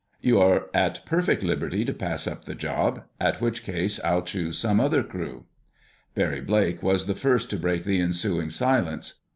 You are at perfect liberty to pass up the job—in which case I'll choose some other crew." Barry Blake was the first to break the ensuing silence.